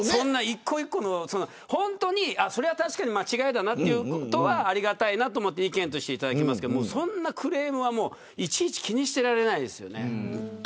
本当にそれは確かに間違いだなということはありがたいなと意見としていただきますがそんなクレームは、いちいち気にしていられないですよね。